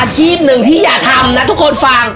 ที่หนึ่งที่อย่าทำนะทุกคนฟัง